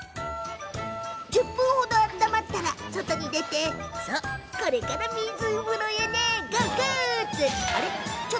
１０分ほど温まったら外に出てそうこれから水風呂。